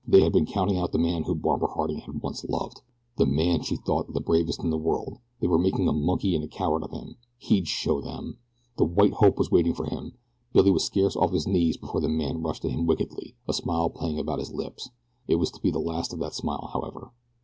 They had been counting out the man whom Barbara Harding had once loved! the man she had thought the bravest in the world! they were making a monkey and a coward of him! He'd show them! The "white hope" was waiting for him. Billy was scarce off his knees before the man rushed at him wickedly, a smile playing about his lips. It was to be the last of that smile, however.